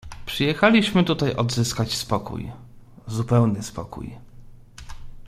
"Przyjechaliśmy tutaj odzyskać spokój, zupełny spokój."